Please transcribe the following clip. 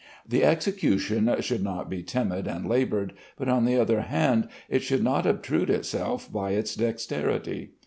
The execution should not be timid and labored, and on the other hand it should not obtrude itself by its dexterity.